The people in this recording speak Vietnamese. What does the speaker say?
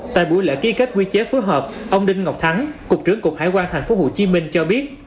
tại buổi lễ ký kết quy chế phối hợp ông đinh ngọc thắng cục trưởng cục hải quan thành phố hồ chí minh cho biết